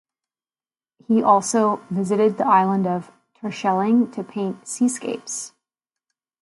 He also visited the island of Terschelling to paint seascapes.